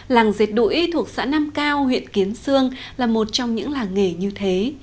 làng dệt đũi thuộc xã nam cao huyện kiến sương là một trong những làng nghề như thế